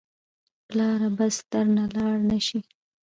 پلاره بس درنه لاړ نه شې.